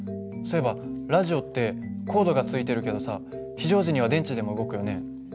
そういえばラジオってコードがついてるけどさ非常時には電池でも動くよね。